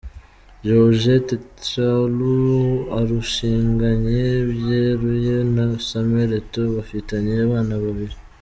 Georgette Tra Lou arushinganye byeruye na Samuel Eto’o bafitanye abana babiri.